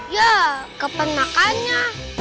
ya kapan makannya